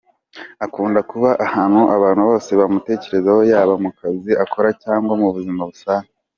Akunda kuba ahantu abantu bose bamutekerezaho yaba mu kazi akora cyangwa mu buzima busanzwe.